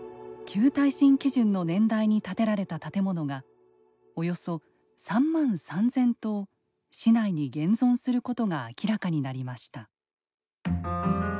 旧耐震基準の年代に建てられた建物がおよそ３万３０００棟市内に現存することが明らかになりました。